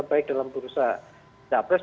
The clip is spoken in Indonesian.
baik dalam perusahaan jawa press